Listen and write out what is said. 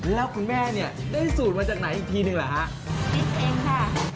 แล้วคุณแม่เนี่ยได้สูตรมาจากไหนอีกทีนึงละครับ